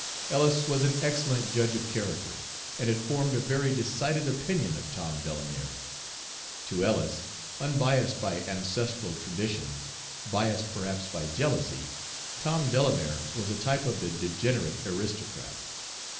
Ellis was an excellent judge of character, and had formed a very decided opinion of Tom Delamere. To Ellis, unbiased by ancestral traditions, biased perhaps by jealousy, Tom Delamere was a type of the degenerate aristocrat.